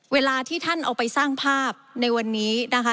เวลาที่ท่านเอาไปสร้างภาพในวันนี้นะคะ